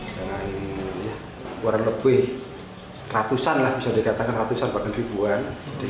dengan kurang lebih ratusan ribuan